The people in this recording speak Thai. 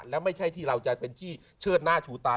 แล้วไม่ใช่ที่เราจะเป็นที่เชิดหน้าชูตา